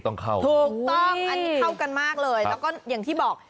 ต้องเข้าถูกต้องอันนี้เข้ากันมากเลยแล้วก็อย่างที่บอก